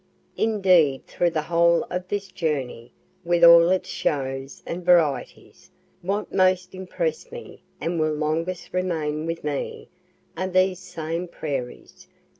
Indeed through the whole of this journey, with all its shows and varieties, what most impress'd me, and will longest remain with me, are these same prairies.